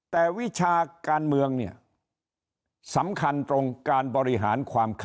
แต่วิชาการเมืองเนี่ยสำคัญตรงการบริหารความครอบครองนี้นะครับ